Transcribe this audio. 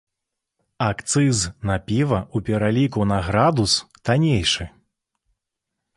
Акцыз на піва ў пераліку на градус таннейшы.